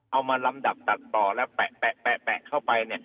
เอามาลำดับตัดต่อแล้วแปะเข้าไป